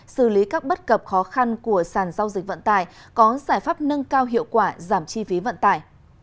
xử lý các bất cập khó khăn của sàn giao dịch vận tải có giải pháp nâng cao hiệu quả giảm chi phí vận tải